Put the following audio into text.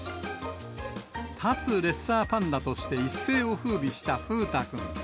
立つレッサーパンダとして一世をふうびした風太くん。